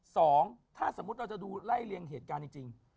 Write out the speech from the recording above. สองถ้าสมมุติเราจะดูไล่เรียงเหตุการณ์จริง